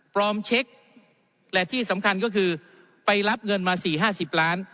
ปลอมเช็คและที่สำคัญก็คือไปรับเงินมาสี่ห้าสิบล้าน